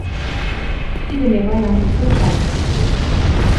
Тидӹм Эвай анзыцок шанен пиштен.